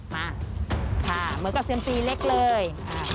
มาค่ะเหมือนกับเซียมซีเล็กเลย